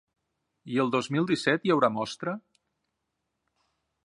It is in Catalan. I el dos mil disset hi haurà Mostra?